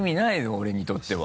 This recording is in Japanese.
俺にとっては。